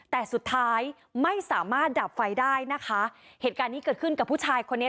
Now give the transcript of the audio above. แต่สุดท้ายไม่สามารถดับไฟได้นะคะเหตุการณ์นี้เกิดขึ้นกับผู้ชายคนนี้